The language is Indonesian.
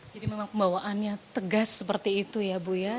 jadi memang pembawaannya tegas seperti itu ya bu ya